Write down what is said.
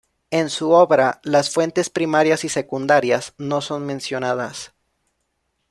En su obra, las fuentes primarias y secundarias no son mencionadas.